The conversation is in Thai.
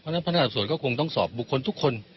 เพราะฉะนั้นพันธุ์ห้าสับสวนก็คงต้องสอบบุคคลทุกคน